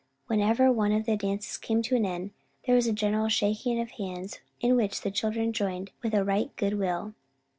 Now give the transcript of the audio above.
Whenever one of the dances came to an end, there was a general shaking of hands in which the children joined with a right good will.